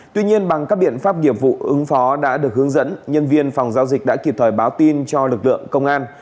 tuy nhiên bằng các biện pháp nghiệp vụ ứng phó đã được hướng dẫn nhân viên phòng giao dịch đã kịp thời báo tin cho lực lượng công an